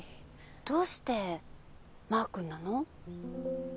どうしてマー君なの？